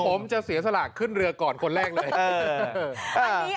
เดี๋ยวผมจะเสียสละขึ้นเรือก่อนคนแรกเลย